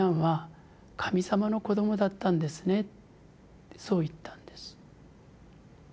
ってそう言ったんです。